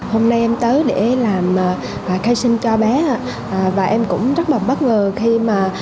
hôm nay em tới để làm khai sinh cho bé và em cũng rất là bất ngờ khi mà